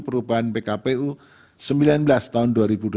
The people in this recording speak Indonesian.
perubahan pkpu sembilan belas tahun dua ribu dua puluh